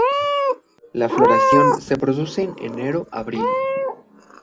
La floración se produce en enero–abril.